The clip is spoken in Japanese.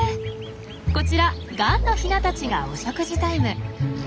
こちらガンのヒナたちがお食事タイム。